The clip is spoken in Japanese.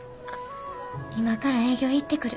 今から営業行ってくる。